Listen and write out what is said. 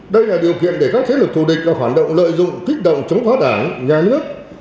đây là điều kiện để các thế lực thù địch và phản động lợi dụng kích động chống phá đảng nhà nước